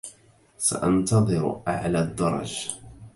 سأنتظر أعلى الدرج.